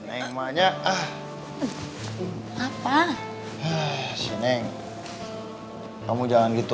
apa lagi cemburu sama gino